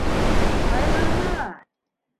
Ҡайғырма!